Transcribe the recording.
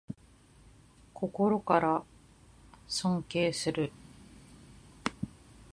心から尊敬する